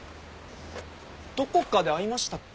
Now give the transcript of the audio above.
どこかで会いましたっけ。